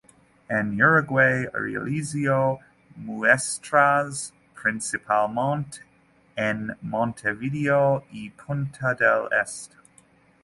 En Uruguay, realizó muestras principalmente en Montevideo y Punta del Este.